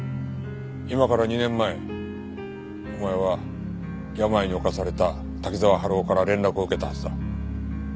今から２年前お前は病に侵された滝沢春夫から連絡を受けたはずだ。